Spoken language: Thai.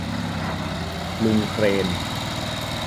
ลุงเครน